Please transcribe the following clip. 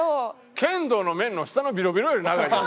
剣道の面の下のビロビロより長い。